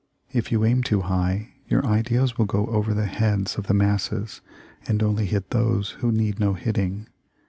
If you aim too high your ideas will go over the heads of the masses, and only hit those who need no hitting."